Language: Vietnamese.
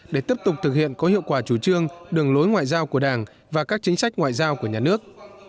để tiếp tục thực hiện có hiệu quả chủ trương đường lối ngoại giao của đảng và các chính sách ngoại giao của nhà nước